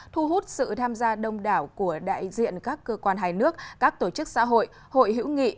thu hút sự tham gia đông đảo của đại diện các cơ quan hai nước các tổ chức xã hội hội hữu nghị